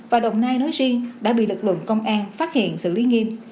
và đồng nai nói riêng đã bị lực lượng công an phát hiện xử lý nghiêm